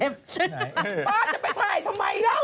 ป้าจะไปถ่ายทำไมล่ะ